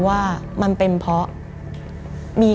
มันกลายเป็นรูปของคนที่กำลังขโมยคิ้วแล้วก็ร้องไห้อยู่